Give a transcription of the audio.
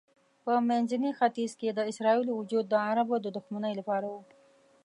په منځني ختیځ کې د اسرائیلو وجود د عربو د دښمنۍ لپاره و.